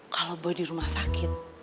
kalau boleh di rumah sakit